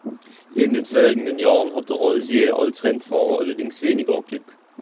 In den folgenden Jahren hatte Rosier als Rennfahrer allerdings weniger Glück.